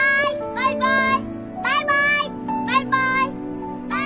バイバイ。